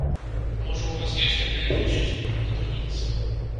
Можа, ў вас ёсць такая фішачка, каб натхніцца?